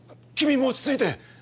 君も落ち着いて。